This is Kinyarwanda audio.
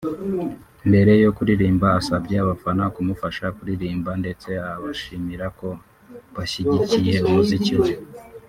mbere yo kuririmba asabye abafana kumufasha kuririmba ndetse abashimira ko bashyigikiye umuziki we